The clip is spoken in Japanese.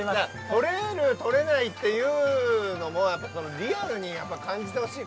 とれるとれないっていうのもリアルに感じてほしい。